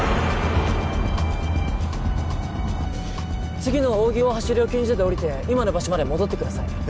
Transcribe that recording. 次の扇大橋料金所でおりて今の場所まで戻ってください